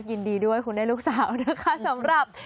ยินดีด้วยคุณได้ลูกสาวนะคะสำหรับ